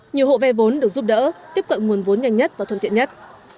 nhiều hộ vay vốn được giúp đỡ tiếp cận nguồn vốn nhanh nhất và thuận tiện nhất